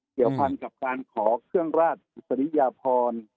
เกี่ยวพันกับการขอเครื่องราชอิสริยพร